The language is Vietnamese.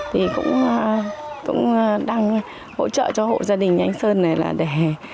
thì cũng đang hỗ trợ cho hộ gia đình anh sơn này là để